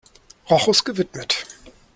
Rochus gewidmet.